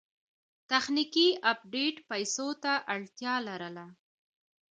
تخنیکي ایډېټ پیسو ته اړتیا لرله.